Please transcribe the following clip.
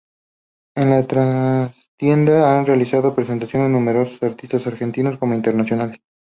En La Trastienda han realizado presentaciones numerosos artistas argentinos como internacionales.